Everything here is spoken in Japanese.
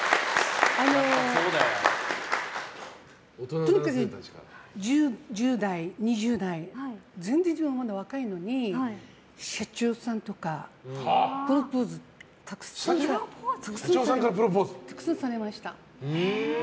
とにかく１０代、２０代は全然、自分は若いのに社長さんとかプロポーズたくさんされました。